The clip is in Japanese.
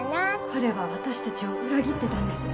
彼は私たちを裏切ってたんですよ。